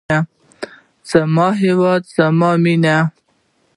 زما هیواد زما مینه.